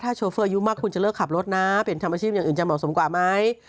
โชเฟอร์อายุมากคุณจะเลิกขับรถนะเป็นทำอาชีพอย่างอื่นจะเหมาะสมกว่าไหม